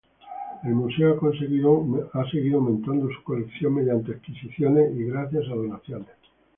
El museo ha seguido aumentando su colección mediante adquisiciones y gracias a donaciones.